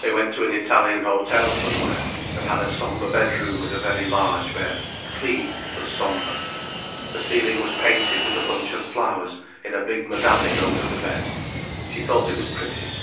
They went to an Italian hotel somewhere, and had a sombre bedroom with a very large bed, clean, but sombre. The ceiling was painted with a bunch of flowers in a big medallion over the bed. She thought it was pretty.